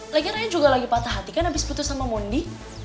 lagian juga lagi patah hati kan abis putus sama mondi